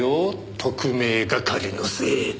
特命係のせいで。